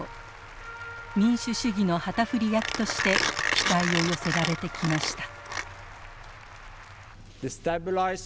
民主主義の旗振り役として期待を寄せられてきました。